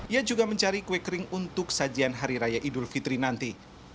ia juga mencari kue kering untuk sajian hari raya idul fitri nanti